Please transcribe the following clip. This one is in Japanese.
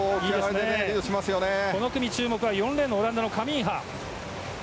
この組注目は４レーンオランダのカミンハ。